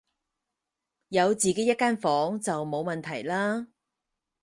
有自己一間房就冇問題啦